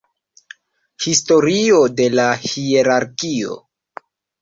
Historio de la hierarkio.